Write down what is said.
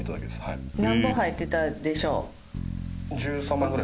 なんぼ入ってたでしょう？